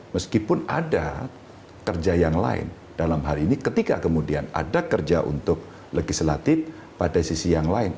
meskipun ada kerja yang lain dalam hal ini ketika kemudian ada kerja untuk legislatif pada sisi yang lain